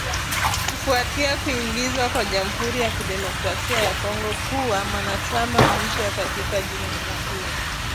kufuatia kuingizwa kwa Jamhuri ya Kidemokrasi ya Kongo kuwa mwanachama mpya katika jumuiya hiyo